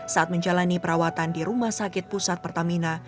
saat menjalani perawatan di rumah sakit pusat pertamina